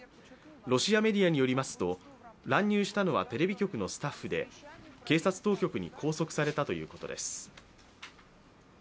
ロシアメディアによりますと乱入したのはテレビ局のスタッフで警察当局に拘束されたということです。